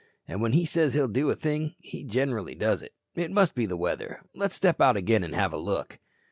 And when he says he'll do a thing, he generally does it. It must be the weather. Let's step out again and have a look."